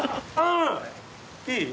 いい？